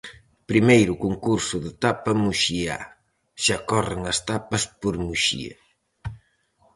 Primeiro concurso de tapa muxiá: xa corren as tapas por Muxía.